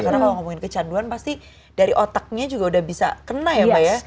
karena kalau ngomongin kecanduan pasti dari otaknya juga udah bisa kena ya mbak ya